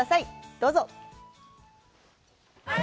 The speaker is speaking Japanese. どうぞ。